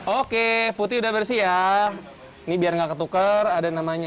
oke putih sudah bersih ya biar tidak tergantung ada namanya